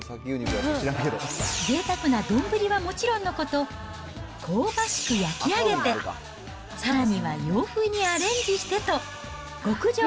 ぜいたくな丼はもちろんのこと、香ばしく焼き上げて、さらには洋風にアレンジしてと、極上！